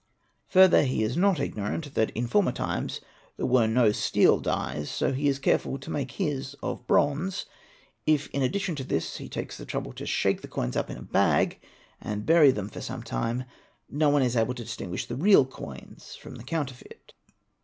Further he is not ignorant that in former times there were no steel dies, so he is careful to make his of bronze; if in addition to this he takes the trouble to shake the coins up in a bag and bury them for some time, no one is able to distinguish the real coins from the counterfeit.